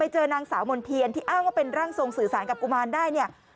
เจอนางสาวมณ์เทียนที่อ้างว่าเป็นร่างทรงสื่อสารกับกุมารได้เนี่ย